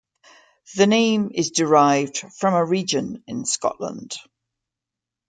The name is derived from a region in Scotland.